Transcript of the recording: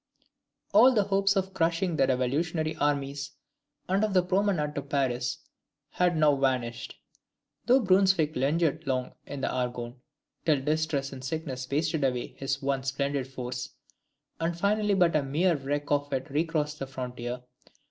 All hopes of crushing the revolutionary armies, and of the promenade to Paris, had now vanished, though Brunswick lingered long in the Argonne, till distress and sickness wasted away his once splendid force, and finally but a mere wreck of it recrossed the frontier.